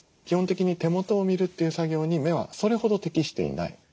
基本的に手元を見るという作業に目はそれほど適していない。